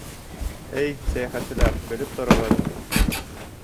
— Эй сәйәхәтселәр, белеп тороғоҙ!